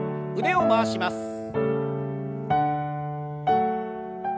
腕を回します。